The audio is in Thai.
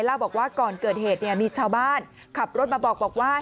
เล่าบอกว่าก่อนเกิดเหตุมีชาวบ้านขับรถมาบอกว่า